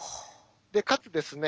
かつですね